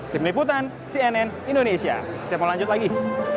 tim liputan cnn indonesia saya mau lanjut lagi